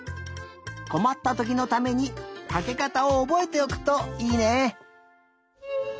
こまったときのためにかけかたをおぼえておくといいね。